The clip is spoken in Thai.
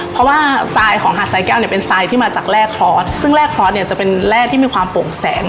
เพราะว่าทรายของหาดสายแก้วเนี่ยเป็นทรายที่มาจากแร่คลอสซึ่งแร่คลอสเนี่ยจะเป็นแร่ที่มีความโป่งแสง